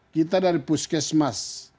kita dari puskesmas